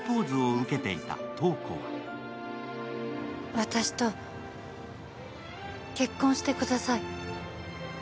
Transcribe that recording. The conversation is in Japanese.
私と結婚してください。